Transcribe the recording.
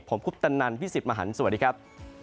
ผมคุปตันนันพี่สิทธิ์มหันฯสวัสดีครับ